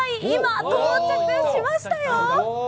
今、到着しましたよ。